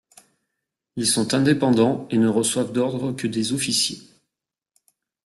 Ils sont indépendants et ne reçoivent d'ordres que des officiers.